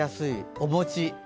お餅！